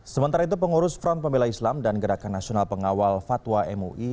sementara itu pengurus front pembela islam dan gerakan nasional pengawal fatwa mui